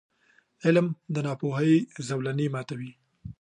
• علم، د ناپوهۍ زولنې ماتوي.